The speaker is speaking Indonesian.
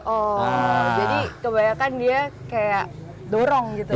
oh jadi kebanyakan dia kayak dorong gitu